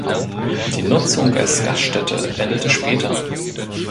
Die Nutzung als Gaststätte endete später.